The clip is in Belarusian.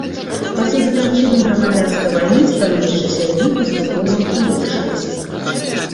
Пасля заканчэння грамадзянскай вайны становішча сям'і паступова палепшылася.